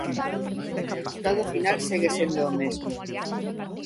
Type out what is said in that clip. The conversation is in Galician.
O resultado final segue sendo o mesmo.